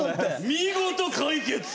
見事解決！